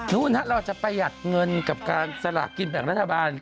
นูนัฮะเราจะประหยัดเงินกับการสลากินแบบรัฐบาล